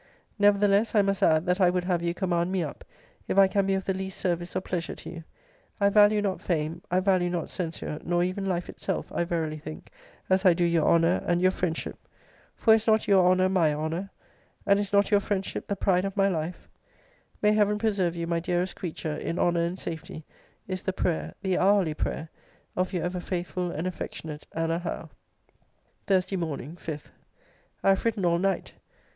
] [Nevertheless I must add, that I would have you] command me up, if I can be of the least service or pleasure to you.* I value not fame; I value not censure; nor even life itself, I verily think, as I do your honour, and your friendship For is not your honour my honour? And is not your friendship the pride of my life? * See Letter XX. of this volume. May Heaven preserve you, my dearest creature, in honour and safety, is the prayer, the hourly prayer, of Your ever faithful and affectionate, ANNA HOWE. THURSDAY MORN. 5. I have written all night.